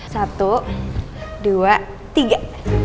satu dua tiga